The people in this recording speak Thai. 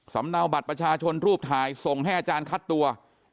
เนาบัตรประชาชนรูปถ่ายส่งให้อาจารย์คัดตัว